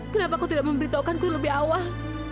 kenapa kau tidak memberitahukanku lebih awal